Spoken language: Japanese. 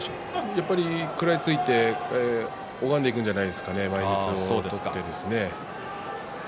やっぱり食らいついて拝んでいくんじゃないですか、前みつを取って。